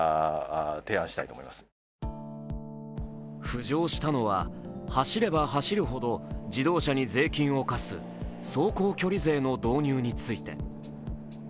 浮上したのは、走れば走るほど自動車に税金を課す走行距離課税の導入について。